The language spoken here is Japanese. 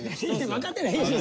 分かってないでしょ！